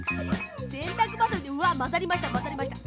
せんたくばさみでうわまざりましたまざりました。